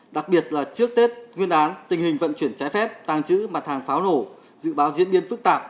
đặc biệt là trước tết nguyên đán tình hình vận chuyển trái phép tàng trữ mặt hàng pháo nổ dự báo diễn biến phức tạp